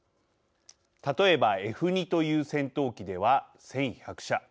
例えばＦ２という戦闘機では１１００社。